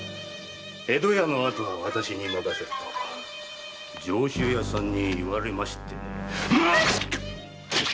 江戸屋の後は私に任せるからと上州屋さんに言われましてね。